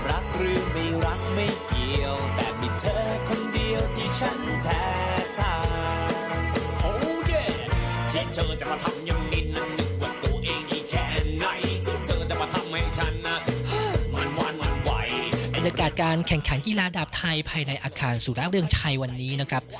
บรรยากาศการแข่งขันกีฬาดาบไทยภายในอาคารสุระเรืองชัยวันนี้นะครับ